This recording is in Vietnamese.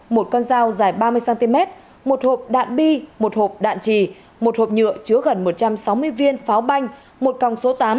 một con dao dài ba mươi cm một hộp đạn bi một hộp đạn trì một hộp nhựa chứa gần một trăm sáu mươi viên pháo banh một còng số tám